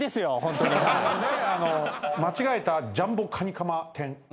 間違えたジャンボカニカマ天。